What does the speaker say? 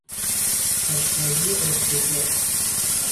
آشپزی افتضاح